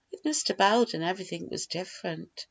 With Mr. Belden everything was different.